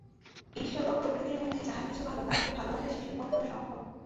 ঈশ্বর ও প্রকৃতির মধ্যে যাহা কিছু ভাল, তাহাকে ভালবাসা শিশুর পক্ষেও সম্ভব।